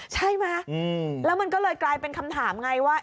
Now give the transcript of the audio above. ใช่ไหมแล้วมันก็เลยกลายเป็นคำถามไงว่า